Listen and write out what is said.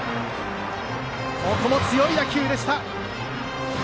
ここも強い打球でした！